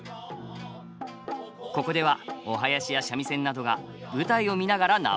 ここではお囃子や三味線などが舞台を見ながら生演奏！